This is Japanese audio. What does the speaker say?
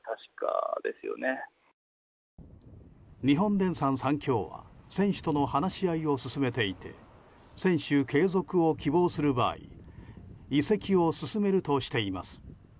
日本電産サンキョーは選手との話し合いを進めていて選手継続を希望する場合移籍を進めるとしています。